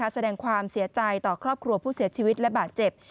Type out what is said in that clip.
แสดงความเสียใจต่อครอบครัวผู้เสียชีวิตและบาดเจ็บ